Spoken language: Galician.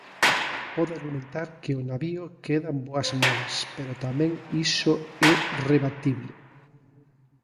Pode argumentar que o navío queda en boas mans, pero tamén iso é rebatible.